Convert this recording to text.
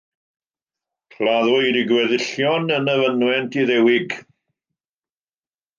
Claddwyd ei gweddillion yn y fynwent Iddewig.